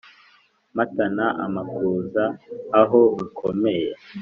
mpatana amakuza aho rukomeye